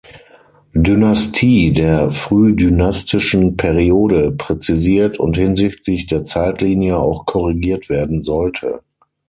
Dynastie der Frühdynastischen Periode präzisiert und hinsichtlich der Zeitlinie auch korrigiert werden sollte.